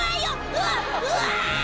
うわうわ！」